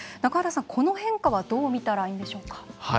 この変化はどう見たらいいんでしょうか。